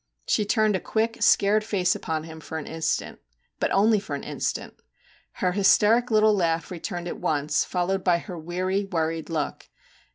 She turned a quick, scared face upon him for an instant. But only for an instant. Her hysteric little laugh returned at once, followed by her weary, worried look.